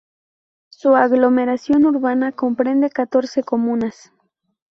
Su aglomeración urbana comprende catorce comunas.